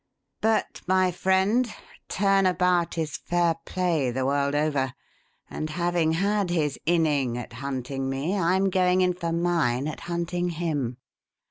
But, my friend, 'turn about is fair play' the world over, and having had his inning at hunting me, I'm going in for mine at hunting him.